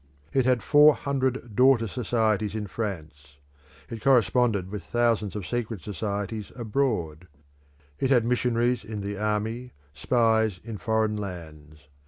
It had four hundred daughter societies in France; it corresponded with thousands of secret societies abroad; it had missionaries in the army, spies in foreign lands.